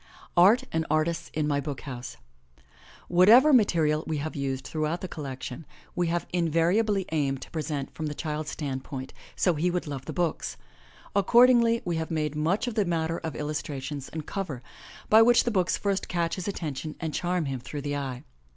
ART AND ARTISTS IN MY BOOK HOUSE. HATEVER material we have used throughout the collection we have invariably aimed to present from the child's standpoint, so he would love the books. Accordingly, we have made much of the matter of illustrations and cover, by which the books first catch his attention and charm him through the eye.